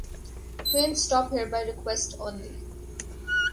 Trains stop here by request only.